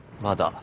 まだ？